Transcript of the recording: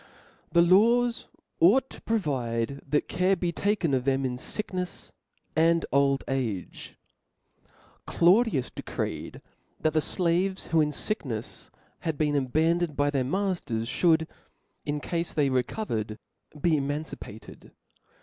The laws ought to provide that care be taken of them in ficknefs and old age. Claudius ('')de (OXiphi* creed, that the fiaves, who, in ficknefs, had htt^clJ^io. abandoned by their matters, (hould, in cafe they re covered, be emancipated.